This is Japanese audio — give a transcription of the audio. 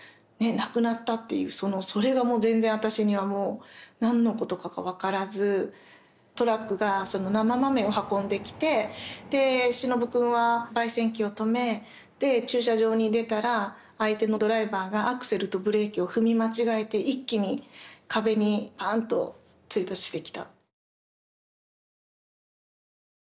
亡くなったっていうそれがもう全然私には何のことかが分からずトラックが生豆を運んできて忍くんはばい煎機を止め駐車場に出たら相手のドライバーがアクセルとブレーキを踏み間違えて一気に壁にパーンと追突してきた。